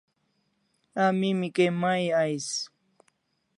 A mimi kay mai ais